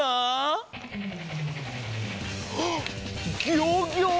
ギョギョ！